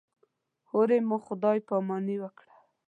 هورې مو خدای پاماني وکړه.